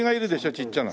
ちっちゃな。